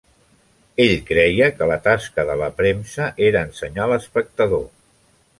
Ell creia que la tasca de la premsa era ensenyar l'espectador.